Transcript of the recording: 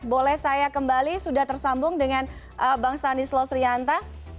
boleh saya kembali sudah tersambung dengan bang stanislas rianta